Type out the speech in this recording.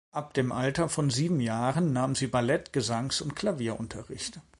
Ab dem Alter von sieben Jahren nahm sie Ballett-, Gesangs- und Klavierunterricht.